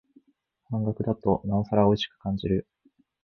半額だとなおさらおいしく感じる